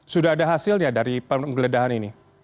sudah ada hasilnya dari penggeledahan ini